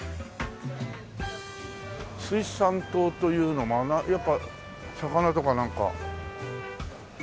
水産棟というのはやっぱり魚とかなんか。